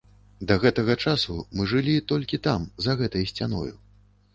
Да гэтага часу мы жылі толькі там, за гэтай сцяною.